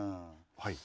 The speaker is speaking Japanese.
はい。